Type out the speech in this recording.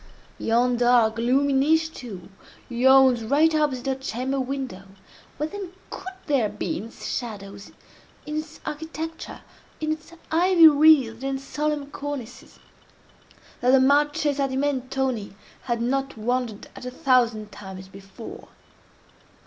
Yon dark, gloomy niche, too, yawns right opposite her chamber window—what, then, could there be in its shadows—in its architecture—in its ivy wreathed and solemn cornices—that the Marchesa di Mentoni had not wondered at a thousand times before?